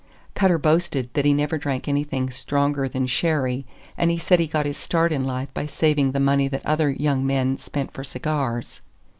Cutter boasted that he never drank anything stronger than sherry, and he said he got his start in life by saving the money that other young men spent for cigars.